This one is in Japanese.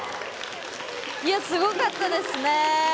すごかったですね。